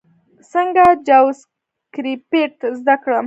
څنګه جاواسکريپټ زده کړم؟